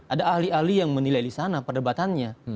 ada ahli ahli yang menilai di sana perdebatannya